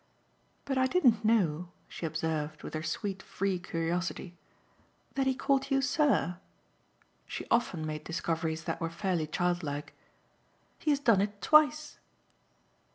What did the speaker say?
"But I didn't know," she observed with her sweet free curiosity, "that he called you 'sir.'" She often made discoveries that were fairly childlike. "He has done it twice."